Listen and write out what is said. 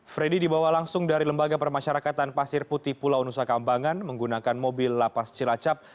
freddy dibawa langsung dari lembaga permasyarakatan pasir putih pulau nusa kambangan menggunakan mobil lapas cilacap